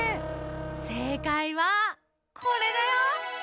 せいかいはこれだよ！